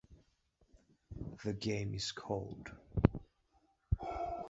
The game is called